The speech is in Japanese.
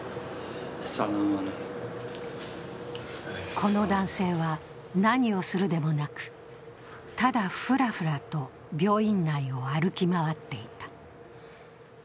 この男性は、何をするでもなくただフラフラと病院内を歩き回っていた。